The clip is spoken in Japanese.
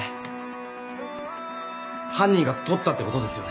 犯人が撮ったってことですよね。